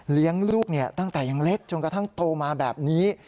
เลี้ยงลูกตั้งแต่ยังเล็กจนกระทั่งโตมาแบบนี้